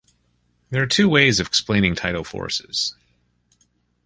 There are two ways of explaining tidal forces.